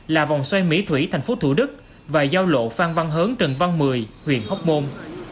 là vòng xoay mỹ thủy thành phố thủ đức và giao lộ phan văn hớn trần văn mười huyện hóc môn